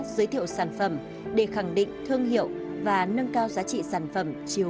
giới thiệu sản phẩm để khẳng định thương hiệu và nâng cao giá trị sản phẩm chiếu ngăn dừa